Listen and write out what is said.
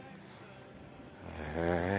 へえ。